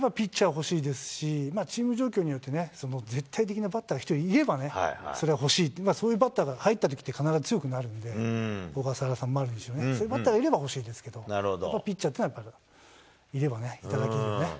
欲しいですし、チーム状況によってね、絶対的なバッターが１人いればね、それは欲しい、そういうバッターが入ったときって、必ず強くなるんで、小笠原とかね、そういうバッターがいれば欲しいですけど、ピッチャーというのはいればいただけ頂きたいですね。